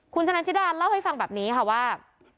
คุณชะนันชิดาเล่าให้ฟังแบบนี้ค่ะว่า